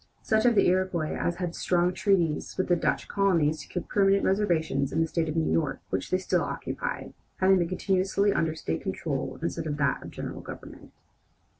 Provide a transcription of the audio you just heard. Such of the Iroquois as had strong treaties with the Dutch colony secured permanent reservations in the State of New York which they still occupy, having been continuously under state control instead of that of the general government.